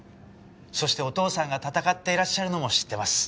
そしてお父さんが闘っていらっしゃるのも知ってます。